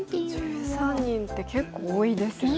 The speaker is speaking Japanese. １３人って結構多いですよね。